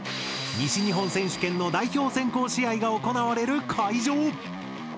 西日本選手権の代表選考試合が行われる会場。